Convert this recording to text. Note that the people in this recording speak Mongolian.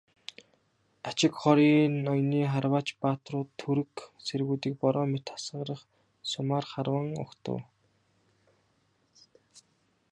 Ачигхори ноёны харваач баатрууд түрэг цэргүүдийг бороо мэт асгарах сумаар харван угтав.